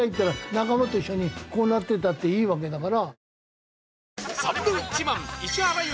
仲間と一緒にこうなってたっていいわけだから。